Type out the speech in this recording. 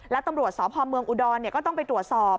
แล้วตำรวจสพเมืองอุดรก็ต้องไปตรวจสอบ